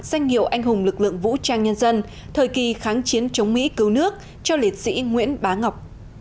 danh hiệu anh hùng lực lượng vũ trang nhân dân thời kỳ kháng chiến chống mỹ cứu nước cho liệt sĩ nguyễn bá ngọc